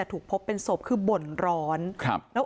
อาบน้ำเป็นจิตเที่ยว